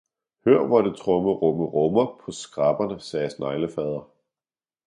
Hør hvor det tromme-romme-rommer paa Skræpperne, sagde Sneglefader.